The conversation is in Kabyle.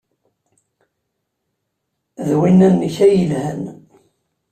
D winna-nnek ay yelhan.